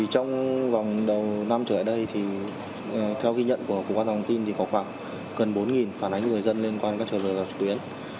trong vòng đầu năm trở lại đây theo ghi nhận của quán đoàn tin có gần bốn phản ánh người dân liên quan các trường lừa đảo trực tuyến